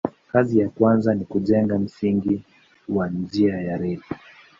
Kazi ya kwanza ni kujenga msingi wa njia ya reli.